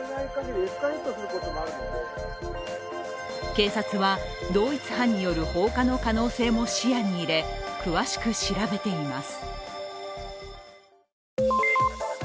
警察は同一犯による放火の可能性も視野に入れ詳しく調べています。